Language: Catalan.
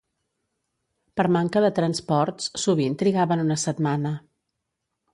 Per manca de transports, sovint trigaven una setmana